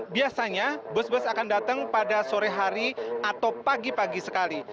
biasanya bus bus akan datang pada sore hari atau pagi pagi sekali